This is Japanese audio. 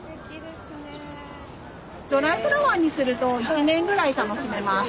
ドライフラワーにすると１年ぐらい楽しめます。